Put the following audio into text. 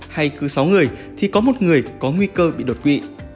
hay cứ sáu người thì có một người có nguy cơ bị đột quỵ